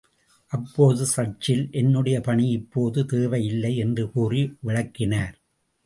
அப்போது சர்ச்சில், என்னுடைய பணி இப்போது தேவை இல்லை என்று கூறி விளக்கினார்.